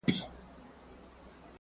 تت غږ د هغه په ذهن کې ګرځي.